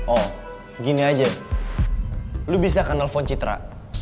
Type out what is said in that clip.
oh gini aja lo bisa kan nelfon citra